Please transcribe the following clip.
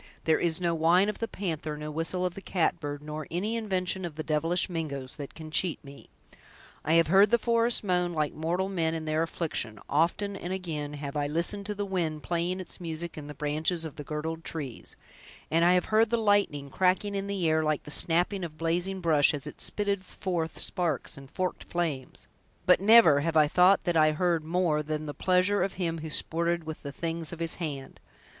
There is no whine of the panther, no whistle of the catbird, nor any invention of the devilish Mingoes, that can cheat me! I have heard the forest moan like mortal men in their affliction; often, and again, have I listened to the wind playing its music in the branches of the girdled trees; and I have heard the lightning cracking in the air like the snapping of blazing brush as it spitted forth sparks and forked flames; but never have I thought that I heard more than the pleasure of him who sported with the things of his hand.